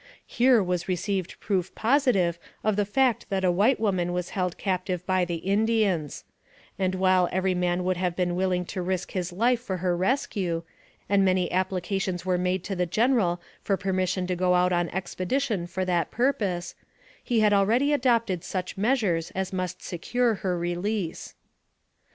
Here was re ceived proof positive of the fact that a white woman was held captive by the Indians; and while every man would have been willing to risk his life for her rescue, and many applications were made to the General for permission to go out on expeditions for that purpose, he had already adopted such measures as must secure her release.